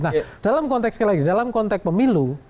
nah dalam konteks sekali lagi dalam konteks pemilu